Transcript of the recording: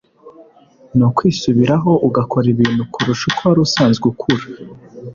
ni ukwisubiraho ugakora ibintu kurusha uko warusanzwe ukura